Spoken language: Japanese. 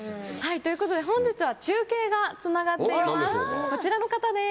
ということで本日は中継がつながっています